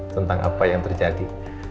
tentang apa yang terjadi